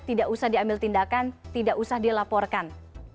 tidak usah diambil tindakan tidak usah dilaporkan